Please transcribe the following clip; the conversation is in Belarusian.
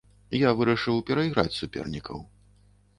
Я вырашыў перайграць супернікаў.